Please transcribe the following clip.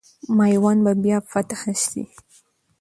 میوند به بیا فتح سي.